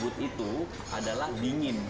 yoghurt itu adalah dingin